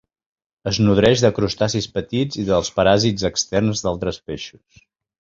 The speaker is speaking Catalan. Es nodreix de crustacis petits i dels paràsits externs d'altres peixos.